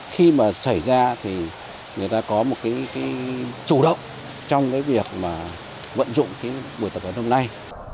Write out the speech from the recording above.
khi mà xảy ra thì người ta có một cái chủ động trong cái việc mà vận dụng cái buổi tập huấn hôm nay